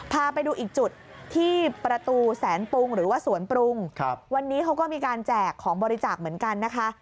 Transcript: พาไปดูอีกจุดที่ประตูแสนปรุงหรือว่าสวนปรุงวันนี้เขาก็มีการแจกของบริจาคเหมือนกันนะคะ